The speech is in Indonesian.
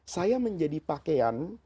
saya menjadi pakaian